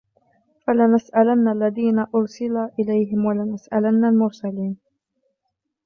فَلَنَسْأَلَنَّ الَّذِينَ أُرْسِلَ إِلَيْهِمْ وَلَنَسْأَلَنَّ الْمُرْسَلِينَ